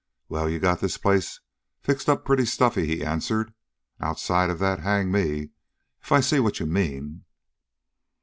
"Well, you got this place fixed up pretty stuffy," he answered. "Outside of that, hang me if I see what you mean."